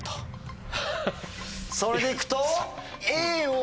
それで行くと？